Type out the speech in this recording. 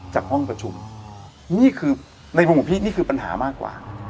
จากห้องประชุมนี่คือในมุมของพี่นี่คือปัญหามากกว่า